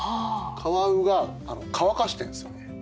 カワウが乾かしてるんですよね。